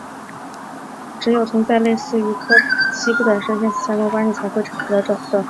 只有存在类似于柯西不等式的线性相关关系时才会取得等号。